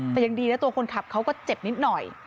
แต่ยังดีนะตัวคนขับเขาก็เจ็บนิดหน่อย